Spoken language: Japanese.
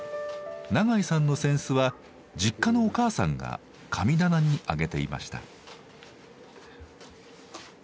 長井さんの扇子は実家のお母さんが神棚に上げていました。